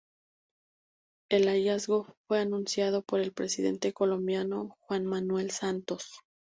El hallazgo fue anunciado por el presidente colombiano Juan Manuel Santos.